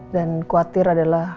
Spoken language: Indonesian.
dan kuatir adalah